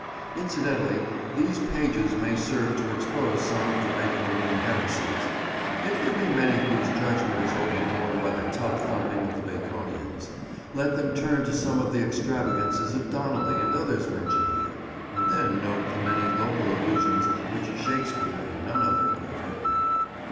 Incidentally these pages may serve to expose some of the Baconian heresies. If there be many whose judgment is overborne by the tub thumping of the Baconians, let them turn to some of the extravagances of Donnelly and others mentioned here, and then note the many local allusions which Shakespeare and none other could have written.